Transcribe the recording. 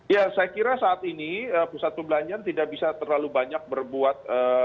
ya saya kira saat ini pusat perbelanjaan tidak bisa terlalu banyak berbuat